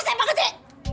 rasanya apa kecil